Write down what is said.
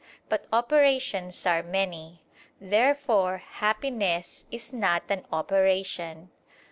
But operations are many. Therefore happiness is not an operation.